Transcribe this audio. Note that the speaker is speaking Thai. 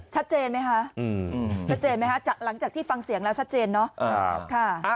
ชัดเจนไหมคะหลังจากที่ฟังเสียงแล้วชัดเจนเนอะ